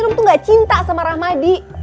rum tuh gak cinta sama ramadi